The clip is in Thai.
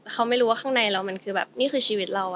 เขาไม่รู้ว่าข้างในเรามันคือแบบนี่คือชีวิตเรา